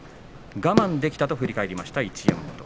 我慢できたと振り返りました一山本。